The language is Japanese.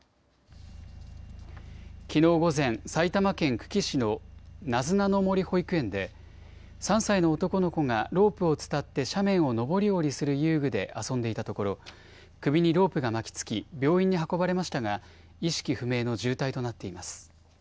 きのう午前、埼玉県久喜市のなずなの森保育園で、３歳の男の子がロープを伝って斜面を上り下りする遊具で遊んでいたところ、首にロープが巻きつき、病院に運ばれましたが、意識不明の重体となっています。